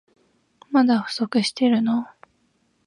まだ不足してるの？